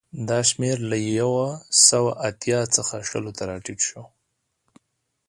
دا شمېر له یو سوه اتیا څخه شلو ته راټیټ شو